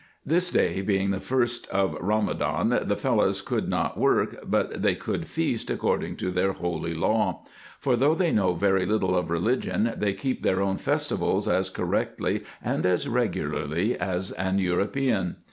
This day being the first of Ramadan, the Fellahs could not work, but they could feast according to their holy law ; for, though they know very little of religion, they keep their own festivals as correctly and as regularly as an European.